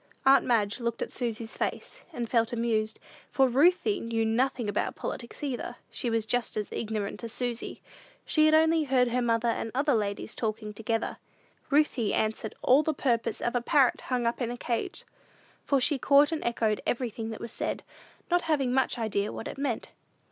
Aunt Madge looked at Susy's face, and felt amused, for Ruthie knew nothing about politics either: she was as ignorant as Susy. She had only heard her mother and other ladies talking together. Ruthie answered all the purpose of a parrot hung up in a cage, for she caught and echoed everything that was said, not having much idea what it meant.